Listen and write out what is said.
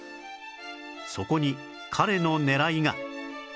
そこに彼の狙いが